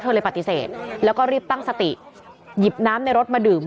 เลยปฏิเสธแล้วก็รีบตั้งสติหยิบน้ำในรถมาดื่ม